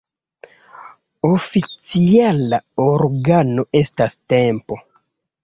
Oficiala organo estas Tempo.